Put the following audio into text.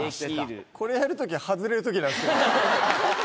これやる時は外れる時なんですけどね。